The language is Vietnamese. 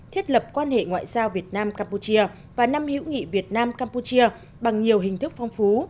thiết lập quan hệ ngoại giao việt nam campuchia và năm hữu nghị việt nam campuchia bằng nhiều hình thức phong phú